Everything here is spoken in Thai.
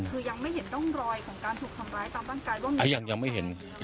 คือยังไม่เห็นต้องรอยของการถูกทำร้ายตามด้านกาย